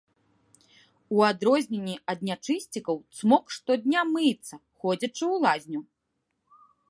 У адрозненні ад нячысцікаў цмок штодня мыецца, ходзячы ў лазню.